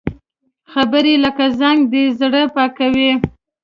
خبرې لکه زنګ دي، زړه پاکوي